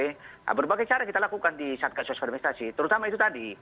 nah berbagai cara kita lakukan di satka sosial administrasi terutama itu tadi